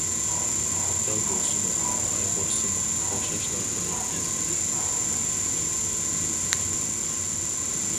خۇشال بولسىمۇ، قايغۇرسىمۇ ئوخشاشلا ئۇنى ئىزدىدى.